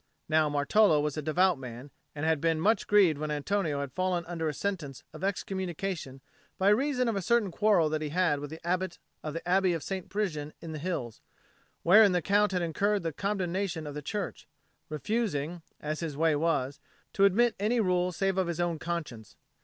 Now Martolo was a devout man and had been much grieved when Antonio had fallen under a sentence of excommunication by reason of a certain quarrel that he had with the Abbot of the Abbey of St. Prisian in the hills, wherein the Count had incurred the condemnation of the Church, refusing, as his way was, to admit any rule save of his own conscience.